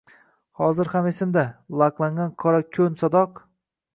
Hozir ham esimda: loklangan qora ko‘n sadoq